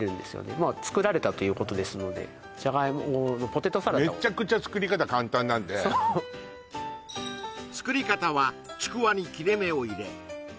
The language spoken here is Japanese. まあ作られたということですのでじゃがいものポテトサラダをめちゃくちゃ作り方簡単なんでそうと超簡単でもめちゃくちゃおいしいです